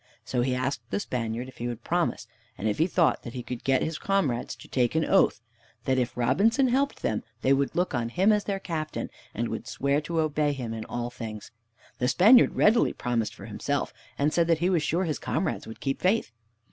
So he asked the Spaniard if he would promise, and if he thought he could get his comrades to take an oath that, if Robinson helped them, they would look on him as their captain, and would swear to obey him in all things. The Spaniard readily promised for himself, and said that he was sure his comrades would keep faith.